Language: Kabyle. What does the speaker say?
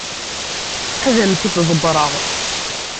Ad am-t-id-ḍebbreɣ.